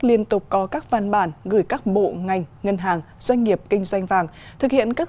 liên tục có các văn bản gửi các bộ ngành ngân hàng doanh nghiệp kinh doanh vàng thực hiện các